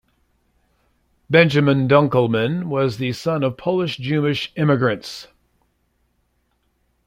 Benjamin Dunkelman was the son of Polish-Jewish immigrants.